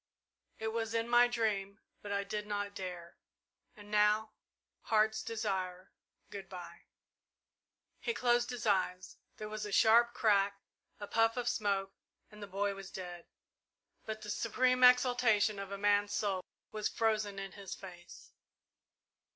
"It was in my dream but I did not dare and now Heart's Desire good bye!" He closed his eyes. There was a sharp crack, a puff of smoke, and the boy was dead; but the supreme exaltation of a man's soul was frozen in his face.